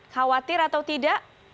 khawatir atau tidak